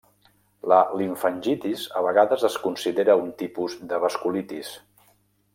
La limfangitis a vegades es considera un tipus de vasculitis.